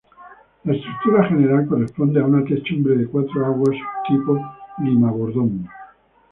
La estructura general corresponde a una techumbre a cuatro aguas, subtipo lima-bordón.